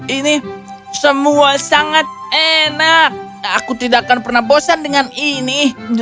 ini semua sangat enak aku tidak akan pernah bosan dengan ini